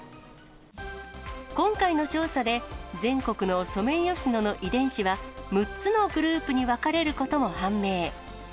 今回の調査で、全国のソメイヨシノの遺伝子は、６つのグループに分かれることも判明。